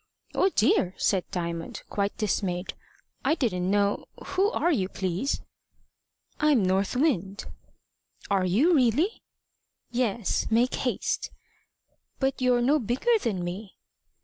"Oh dear!" said Diamond, quite dismayed; "I didn't know who are you, please?" "I'm North Wind." "Are you really?" "Yes. Make haste." "But you're no bigger than me."